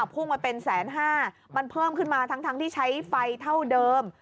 พุ่งมาเป็นแสนห้ามันเพิ่มขึ้นมาทั้งที่ใช้ไฟเท่าเดิม